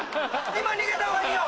今逃げた方がいいよ！